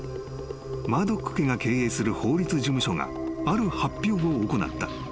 ［マードック家が経営する法律事務所がある発表を行った］